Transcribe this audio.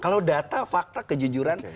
kalau data fakta kejujuran